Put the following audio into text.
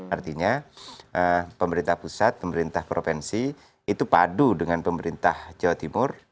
artinya pemerintah pusat pemerintah provinsi itu padu dengan pemerintah jawa timur